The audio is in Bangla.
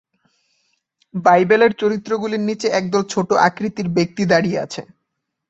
বাইবেলের চরিত্রগুলির নিচে একদল ছোট আকৃতির ব্যক্তি দাঁড়িয়ে আছে।